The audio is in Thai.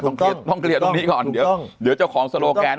คุณต้องต้องเคลียร์ตรงนี้ก่อนเดี๋ยวเดี๋ยวเจ้าของโซโลแกน